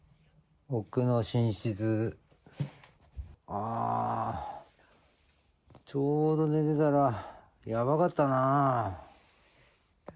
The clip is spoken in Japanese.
奥の寝室、ああ、ちょうど寝てたらやばかったなあ。